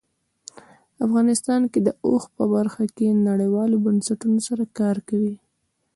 افغانستان د اوښ په برخه کې نړیوالو بنسټونو سره کار کوي.